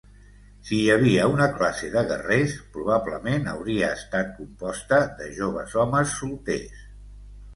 Si hi havia una classe de guerrers, probablement hauria estat composta de joves homes solters.